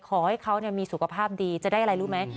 ขอให้เขามีสุขภาพดีจะได้อะไรรู้ไหม